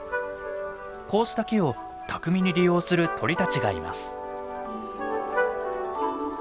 こうした木を巧みに利用する鳥たちがいます。